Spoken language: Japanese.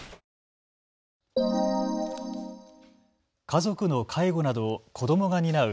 家族の介護などを子どもが担う